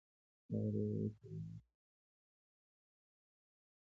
دغه لویه وچه له نورې نړۍ وروسته پاتې ده.